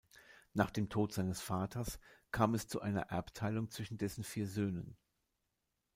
Nach dem Tod seines Vaters kam es zu einer Erbteilung zwischen dessen vier Söhnen.